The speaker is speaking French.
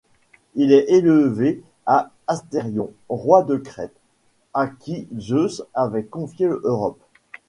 Il est élevé par Astérion, roi de Crète, à qui Zeus avait confié Europe.